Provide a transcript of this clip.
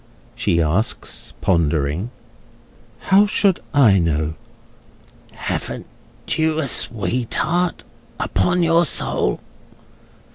she asks, pondering. "How should I know?" "Haven't you a sweetheart, upon your soul?"